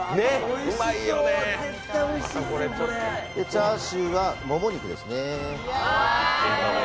チャーシューはもも肉ですね。